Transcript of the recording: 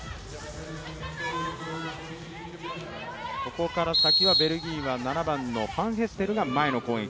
ここから先はベルギーは７番のファンヘステルが前の攻撃。